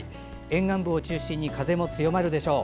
沿岸部を中心に風も強まるでしょう。